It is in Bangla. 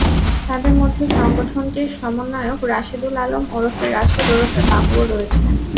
তাঁদের মধ্যে সংগঠনটির সমন্বয়ক রাশিদুল আলম ওরফে রাশেদ ওরফে বাবুও রয়েছেন।